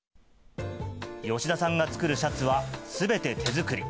吉田さんが作るシャツは、すべて手作り。